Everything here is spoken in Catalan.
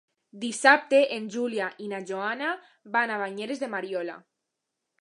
Dissabte en Julià i na Joana van a Banyeres de Mariola.